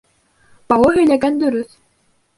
Балу һөйләгән дөрөҫ.